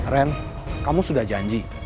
ren kamu sudah janji